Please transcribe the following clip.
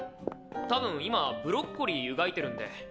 たぶん今ブロッコリー湯がいてるんで。